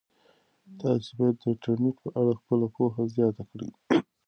تاسي باید د انټرنيټ په اړه خپله پوهه زیاته کړئ.